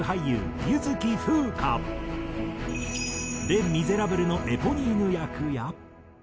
『レ・ミゼラブル』のエポニーヌ役や。